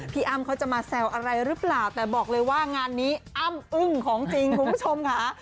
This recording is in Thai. อ้ำเขาจะมาแซวอะไรหรือเปล่าแต่บอกเลยว่างานนี้อ้ำอึ้งของจริงคุณผู้ชมค่ะ